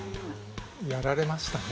やられましたね。